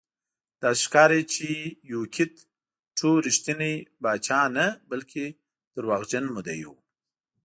داسې ښکاري چې یوکیت ټو رښتینی پاچا نه بلکې دروغجن مدعي و.